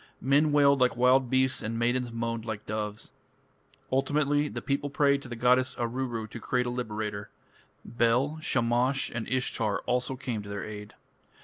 Men wailed like wild beasts and maidens moaned like doves. Ultimately the people prayed to the goddess Aruru to create a liberator. Bel, Shamash, and Ishtar also came to their aid.